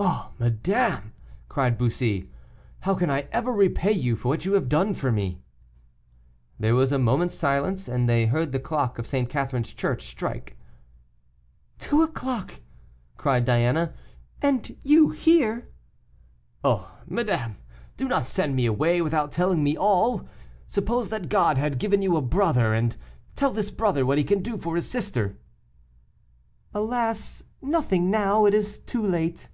"Oh! madame!" cried Bussy, "how can I ever repay you for what you have done for me?" There was a moment's silence, and they heard the clock of St. Catherine's church strike. "Two o'clock," cried Diana, "and you here!" "Oh! madame, do not send me away without telling me all. Suppose that God had given you a brother, and tell this brother what he can do for his sister." "Alas! nothing now; it is too late."